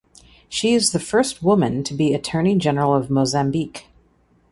She is the first woman to be Attorney General of Mozambique.